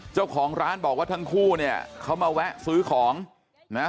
เจ้าของร้านบอกว่าทั้งคู่เนี่ยเขามาแวะซื้อของนะ